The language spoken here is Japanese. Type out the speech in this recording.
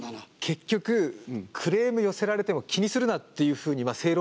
結局クレーム寄せられても気にするなっていうふうに正論としては取るんですよ。